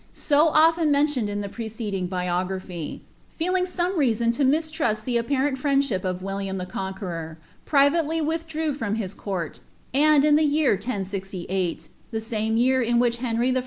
bo often mentioned in the preceding biography, fnling •ome reason to mislrust the apparent friendship ^ William the Coth querot, privately withdrew from his court, and in the year 1068, (ifae some year in which Henr} I.